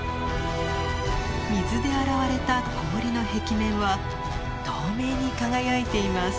水で洗われた氷の壁面は透明に輝いています。